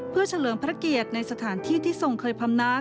เพื่อเฉลิมพระเกียรติในสถานที่ที่ทรงเคยพำน้ำ